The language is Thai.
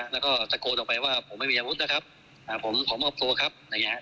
และก็ตะโกนดอกไปว่าผมไม่มีชะบุทธ์นะครับผมกรอบโกรธครับ